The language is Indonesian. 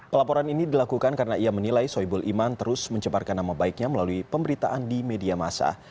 pelaporan ini dilakukan karena ia menilai soebul iman terus mencemarkan nama baiknya melalui pemberitaan di media masa